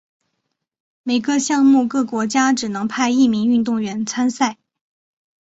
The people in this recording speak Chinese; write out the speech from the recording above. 每个项目各国家只能派一名运动员参赛。